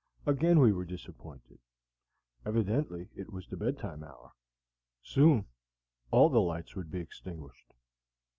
Again we were disappointed. Evidently it was the bed time hour; soon all the lights would be extinguished.